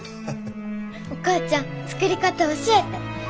お母ちゃん作り方教えて。